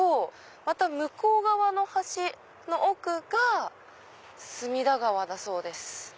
向こう側の橋の奥が隅田川だそうです。